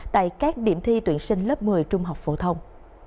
tại các điểm thi tuyển sinh lớp một mươi trung học phổ thông